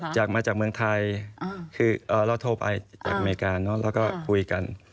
จากมาจากเมืองไทยคือเราโทรไปจากอเมริกาแล้วก็คุยกัน